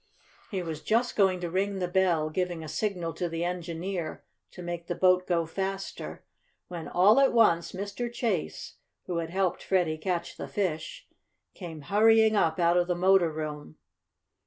He was just going to ring the bell, giving a signal to the engineer to make the boat go faster when, all at once, Mr. Chase, who had helped Freddie catch the fish, came hurrying up out of the motor room.